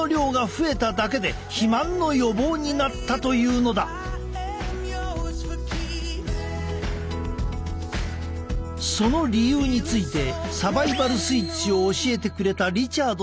その理由についてサバイバル・スイッチを教えてくれたリチャードさんは。